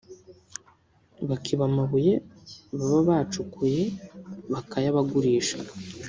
bakiba amabuye baba bacukuye bakayabagurisha